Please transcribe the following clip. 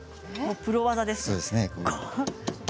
プロの技ですね。